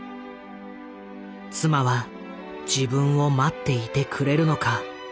妻は自分を待っていてくれるのか。